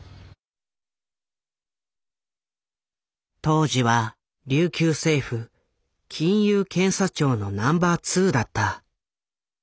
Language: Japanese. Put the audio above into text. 当時は琉球政府金融検査庁のナンバー２だった。